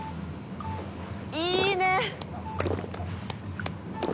「いいね！」